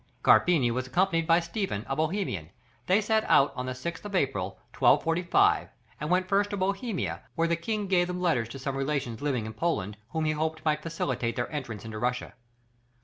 Carpini was accompanied by Stephen, a Bohemian; they set out on the 6th of April, 1245, and went first to Bohemia, where the king gave them letters to some relations living in Poland, who he hoped might facilitate their entrance into Russia.